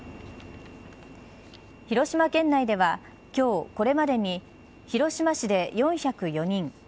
広島県内では今日、これまでに広島市で４０４人